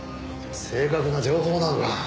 正確な情報なのか？